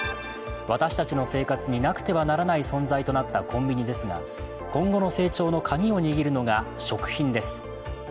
私たちの生活になくてはならない存在となったコンビニですが、今後の成長のカギを握るのが食品です。